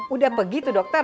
udah pergi tuh dokter